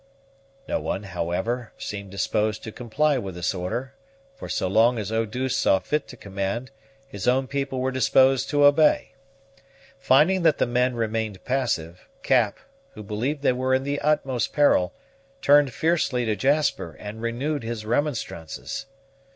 No one, however, seemed disposed to comply with this order; for so long as Eau douce saw fit to command, his own people were disposed to obey. Finding that the men remained passive, Cap, who believed they were in the utmost peril, turned fiercely to Jasper, and renewed his remonstrances.